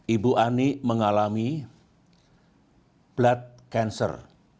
ibu ani mengalami blood cancer